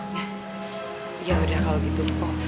yah yaudah kalo gitu mpo